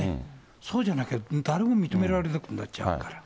そうじゃなきゃ、誰も認められなくなっちゃうから。